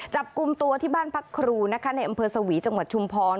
จับกลุ่มตัวที่บ้านพักครูนะคะในอำเภอสวีจังหวัดชุมพร